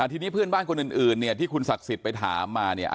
ทีนี้เพื่อนบ้านคนอื่นเนี่ยที่คุณศักดิ์สิทธิ์ไปถามมาเนี่ย